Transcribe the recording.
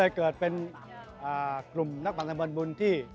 ก็เลยเกิดเป็นกลุ่มนักปั่นสะพานบุญที่